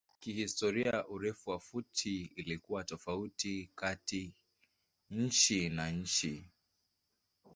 Kihistoria urefu wa futi ilikuwa tofauti kati nchi na nchi.